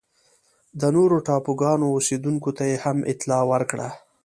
د نورو ټاپوګانو اوسېدونکو ته یې هم اطلاع ورکړه.